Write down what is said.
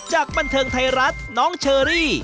จากบันเทิงไทยรัฐน้องเชอรี่